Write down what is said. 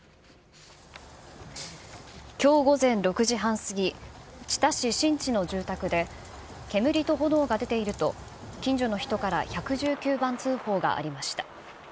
きょう午前６時半過ぎ、知多市新知の住宅で、煙と炎が出ていると、近所の人から１１９番通報がありました。